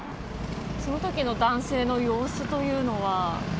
そのときの男性の様子というのは。